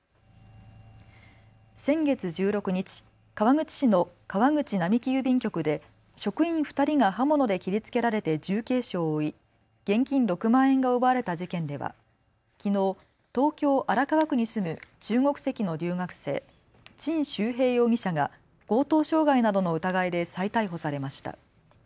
先月１６日、川口市の川口並木郵便局で職員２人が刃物で切りつけられて重軽傷を負い現金６万円が奪われた事件ではきのう東京荒川区に住む中国籍の留学生、陳秀平容疑者が強盗傷害などの疑いで再逮捕されました。